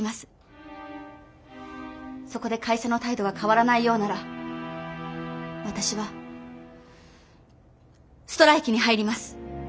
そこで会社の態度が変わらないようなら私はストライキに入ります。